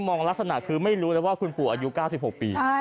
ลักษณะคือไม่รู้แล้วว่าคุณปู่อายุ๙๖ปี